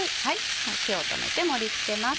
火を止めて盛り付けます。